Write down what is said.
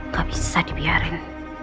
gak bisa dibiarkan